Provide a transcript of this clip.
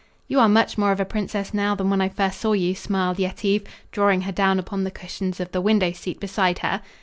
"You are much more of a princess now than when I first saw you," smiled Yetive, drawing her down upon the cushions of the window seat beside her.